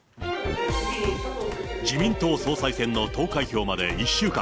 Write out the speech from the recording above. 自民党総裁選の投開票まで１週間。